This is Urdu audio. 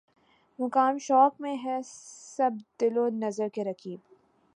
مقام شوق میں ہیں سب دل و نظر کے رقیب